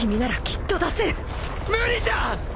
無理じゃ！